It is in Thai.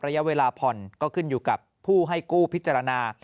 ระยะเวลาผ่อนก็ขึ้นอยู่กับผู้ให้กู้พิจารณา